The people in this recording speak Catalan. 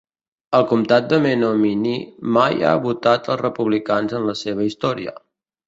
El comtat de Menominee mai ha votat els republicans en la seva història.